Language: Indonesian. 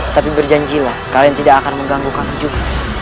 tapi berjanjilah kalian tidak akan mengganggu kami juga